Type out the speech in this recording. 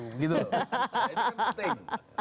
ini kan penting